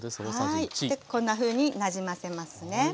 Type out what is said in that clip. こんなふうになじませますね。